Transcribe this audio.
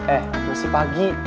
eh masih pagi